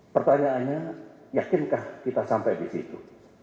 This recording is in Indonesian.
pertanyaannya yakinkah kita sampai di situ